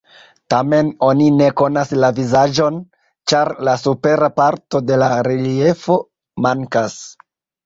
Tamen oni ne konas la vizaĝon, ĉar la supera parto de la reliefo mankas.